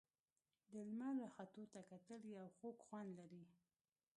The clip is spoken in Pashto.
د لمر راختو ته کتل یو خوږ خوند لري.